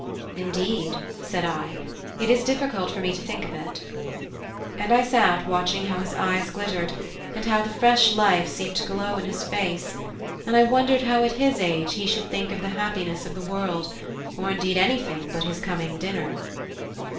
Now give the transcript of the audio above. "Indeed," said I, "it is difficult for me to think of it." And I sat watching how his eyes glittered, and how the fresh life seemed to glow in his face, and I wondered how at his age he should think of the happiness of the world, or indeed anything but his coming dinner.